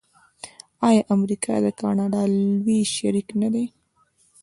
آیا امریکا د کاناډا لوی شریک نه دی؟